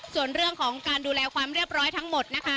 ส่วนเรื่องของการดูแลความเรียบร้อยทั้งหมดนะคะ